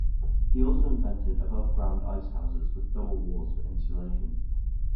He also invented above-ground ice houses, with double walls for insulation.